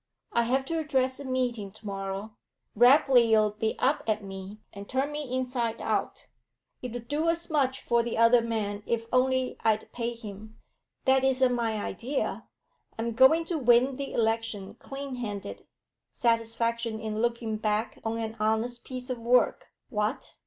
I have to address a meeting tomorrow; Rapley 'll be up at me, and turn me inside out. He'd do as much for the other man, if only I'd pay him. That isn't my idea; I'm going to win the election clean handed; satisfaction in looking back on an honest piece of work; what?